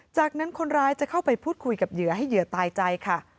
จากนั้นคนร้ายจะเข้าไปพูดคุยกับเหยื่อให้เหยื่อตายใจค่ะ